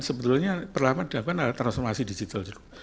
sebetulnya perlahan lahan diambil transformasi digital dulu